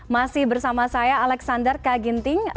masih bersama saya alexander kaginting